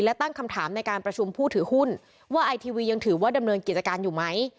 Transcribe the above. และตั้งคำถามในการประชุมผู้ถือหุ้นว่าไอทีวียังถือว่าดำเนินกิจการอยู่ไหม